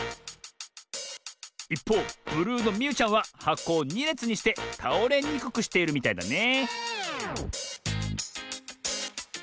いっぽうブルーのみゆちゃんははこを２れつにしてたおれにくくしているみたいだね